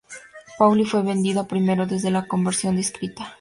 Pauli fue vendida primero desde la conversión descrita.